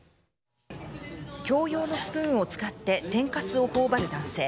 共有のスプーンを使って天かすを頬張る男性。